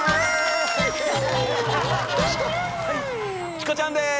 チコちゃんです。